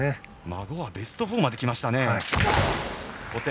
孫はベスト８まで来ました。